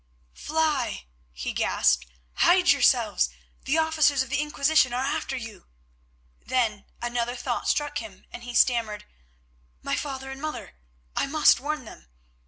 "Fly!" he gasped. "Hide yourselves! The officers of the Inquisition are after you!" Then another thought struck him, and he stammered, "My father and mother. I must warn them!"